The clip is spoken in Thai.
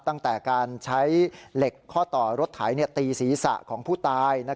ตั้งแต่การใช้เหล็กข้อต่อรถไถตีศีรษะของผู้ตาย